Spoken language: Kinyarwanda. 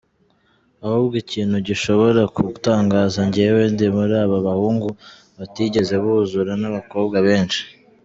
Ahubwo ikintu gishobora kugutangaza njyewe ndi muri ba bahungu batigeze buzura n’abakobwa benshi.